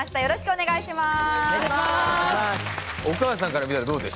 お願いします！